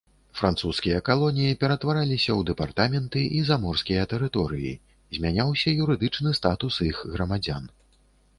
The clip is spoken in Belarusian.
Французскія калоніі ператвараліся ў дэпартаменты і заморскія тэрыторыі, змяняўся юрыдычны статус іх грамадзян.